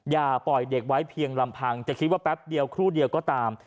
อย่าปล่อยเด็กไว้เพียงลำพังจะคิดว่าแป๊บเดียวครู่เดียวก็ตาม